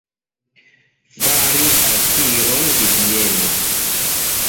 Fari akiron de bieno.